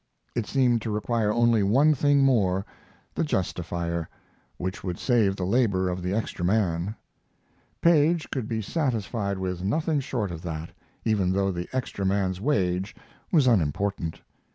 It seemed to require only one thing more, the justifier, which would save the labor of the extra man. Paige could be satisfied with nothing short of that, even though the extra man's wage was unimportant.